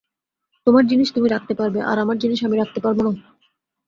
তোমার জিনিস তুমি রাখতে পারবে, আর আমার জিনিস আমি রাখতে পারব না?